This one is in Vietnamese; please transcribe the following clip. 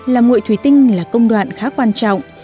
là nguội thủy tinh là công đoạn khá quan trọng